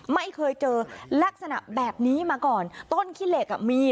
ไม่เคยเจอลักษณะแบบนี้มาก่อนต้นขี้เหล็กอ่ะมี